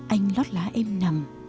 anh lót lá em nằm